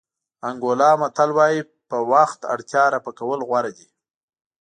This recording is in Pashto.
انګولا متل وایي په وخت اړتیا رفع کول غوره دي.